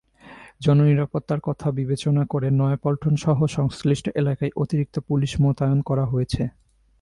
জননিরাপত্তার কথা বিবেচনা করে নয়াপল্টনসহ সংশ্লিষ্ট এলাকায় অতিরিক্ত পুলিশ মোতায়েন করা হয়েছে।